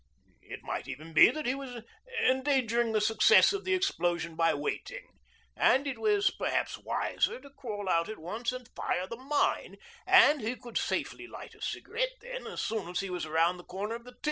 It might even be that he was endangering the success of the explosion by waiting, and it was perhaps wiser to crawl out at once and fire the mine and he could safely light a cigarette then as soon as he was round the corner of the T.